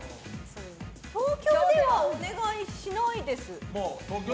東京ではお願いしないです。